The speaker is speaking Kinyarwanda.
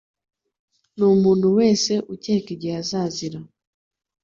Ni umuntu wese ukeka igihe azazira.